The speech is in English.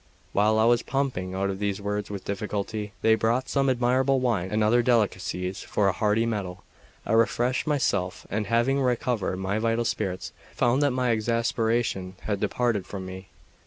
While I was pumping out these words with difficulty, they brought some admirable wine and other delicacies for a hearty meal. I refreshed myself, and having recovered my vital spirits, found that my exasperation had departed from me.